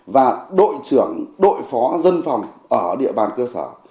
và đội trưởng đội phó dân phòng ở địa bàn cơ sở